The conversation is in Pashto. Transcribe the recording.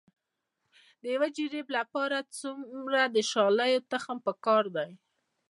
د یو جریب لپاره څومره د شالیو تخم پکار دی؟